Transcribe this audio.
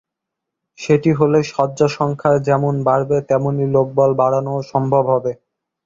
সেটি হলে শয্যা সংখ্যা যেমন বাড়বে তেমনি লোকবল বাড়ানোও সম্ভব হবে।